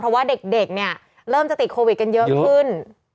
เพราะว่าเด็กเนี่ยเริ่มจะติดโควิดกันเยอะขึ้น